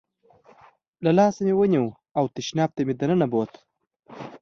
له لاسه مې ونیو او تشناب ته مې دننه بوت.